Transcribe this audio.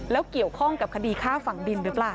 แล้วเกี่ยวข้องกับคดีฆ่าฝั่งดินหรือเปล่า